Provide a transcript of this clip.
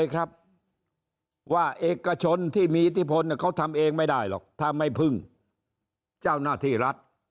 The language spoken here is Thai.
ครับว่าเอกชนที่มีอิทธิพลเขาทำเองไม่ได้หรอกถ้าไม่พึ่งเจ้าหน้าที่รัฐ